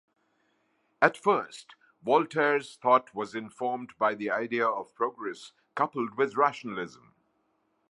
At first Voltaire's thought was informed by the Idea of Progress coupled with rationalism.